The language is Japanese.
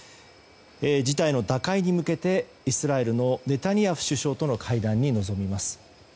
事態の打開に向けてイスラエルのネタニヤフ首相との会談に臨みます。